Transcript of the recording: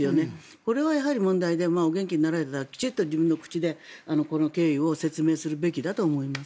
これはやはり問題でお元気になられたら自分の口できちっとこの経緯を説明するべきだと思います。